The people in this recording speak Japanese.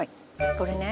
これね